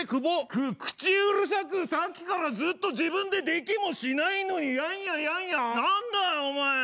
く口うるさくさっきからずっと自分でできもしないのにやんやんやんやん何だよお前。